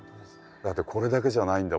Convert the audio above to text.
だってこれだけじゃないんだもん。